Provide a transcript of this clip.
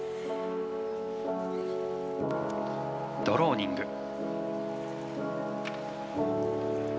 「ドローニング」。